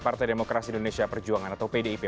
partai demokrasi indonesia perjuangan atau pdip